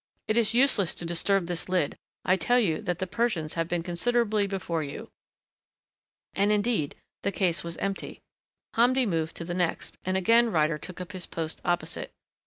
"It is useless to disturb this lid I tell you that the Persians have been considerably before you." And indeed the case was empty. Hamdi moved to the next and again Ryder took up his post opposite.